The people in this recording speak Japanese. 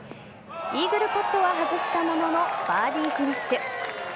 イーグルパットは外したもののバーディーフィニッシュ。